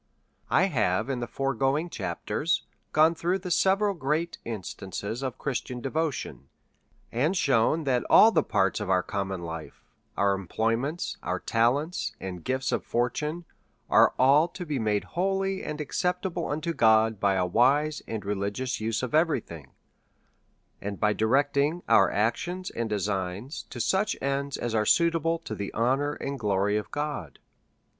I HAVE, in the foregoing chapters, gone through the several great instances of Christian devotion, and shewn that all the parts of our common life, our em ployments, our talents, and gifts of fortune, are all to be made holy and acceptable unto God by a wise and religious use of every thing, and by directing our ac tions and designs to such ends as are suitable to the honour and glory of God.